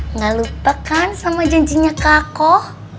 enggak lupa kan sama janjinya kakoh